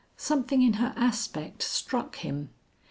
Something in her aspect struck him.